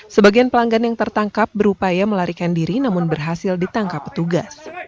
sebagian pelanggan yang tertangkap berupaya melarikan diri namun berhasil ditangkap petugas